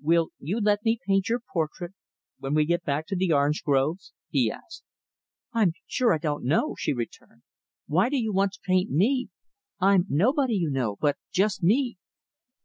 "Will you let me paint your portrait when we get back to the orange groves?" he asked. "I'm sure I don't know," she returned. "Why do you want to paint me? I'm nobody, you know but just me."